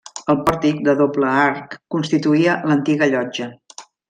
El pòrtic, de doble arc, constituïa l'antiga llotja.